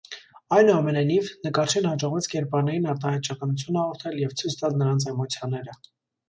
Այնուամենայնիվ, նկարչին հաջողվեց կերպարներին արտահայտչականություն հաղորդել և ցույց տալ նրանց էմոցիաները։